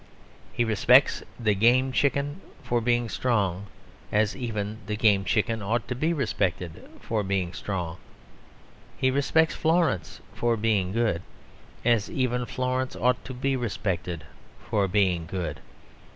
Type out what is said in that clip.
He respects the Game Chicken for being strong, as even the Game Chicken ought to be respected for being strong. He respects Florence for being good, as even Florence ought to be respected for being good.